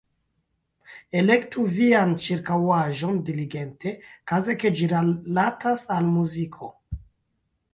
Elektu vian ĉirkaŭaĵon diligente, kaze ke ĝi rilatas al muziko.